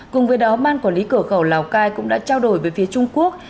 cùng với đó ban quản lý cửa khẩu lào cai cũng đã trao đổi với phía trung quốc